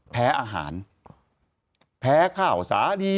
แพ้อาหารแพ้ข้าวสาดี